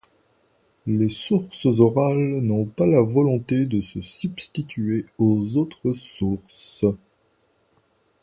Les sources orales n’ont pas la volonté de se substituer aux autres sources.